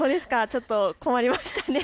ちょっと困りましたね。